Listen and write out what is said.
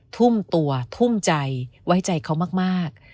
ทุ่มตัวทุ่มใจไว้ใจเขามาก